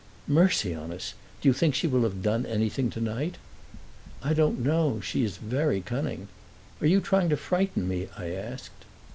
"Mercy on us; do you think she will have done anything tonight?" "I don't know; she is very cunning." "Are you trying to frighten me?" I asked.